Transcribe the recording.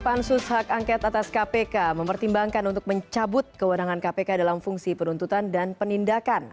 pansus hak angket atas kpk mempertimbangkan untuk mencabut kewenangan kpk dalam fungsi penuntutan dan penindakan